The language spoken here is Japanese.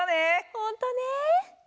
ほんとね。